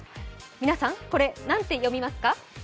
皆さん、これ何と読みますか？